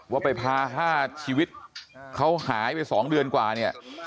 ว่าไปพา๕ชีวิตเขาหายไป๒เดือนกว่าเนี่ย